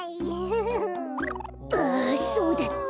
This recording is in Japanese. ああそうだった。